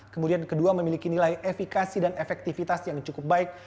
kemudian kedua memiliki nilai efikasi dan efektivitas yang cukup baik